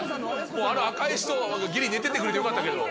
あの赤い人ぎり寝ててくれてよかったけど。